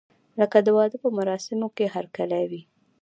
لکه د واده په مراسمو کې هرکلی وي.